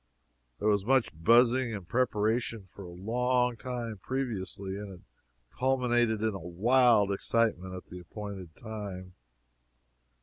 There was much buzzing and preparation for a long time previously, and it culminated in a wild excitement at the appointed time.